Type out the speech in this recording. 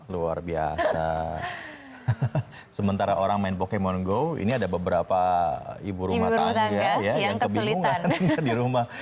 luar biasa sementara orang main pokemon go ini ada beberapa ibu rumah tangga ya yang kebingungan tinggal di rumah